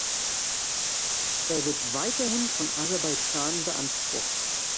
Er wird weiterhin von Aserbaidschan beansprucht.